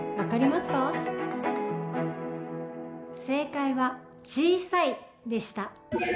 正解は小さいでした。